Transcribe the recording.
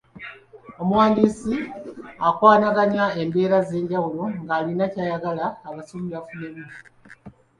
Omuwandiisi akwanaganya embeera ez'enjawulo ng'alina ky'ayagala abasomi bafunemu.